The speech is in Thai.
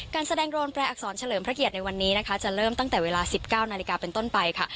การแสดงโดรนแปรอักษรเฉลิมพระเกียรติในวันนี้นะคะจะเริ่มตั้งแต่เวลา๑๙นาฬิกาเป็นต้นไปค่ะ